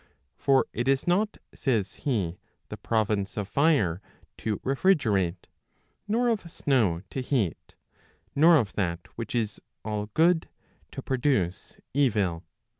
For it is not, says he, the province of fire to refrigerate, nor of snow to heat, nor of that which is all good to produce evil.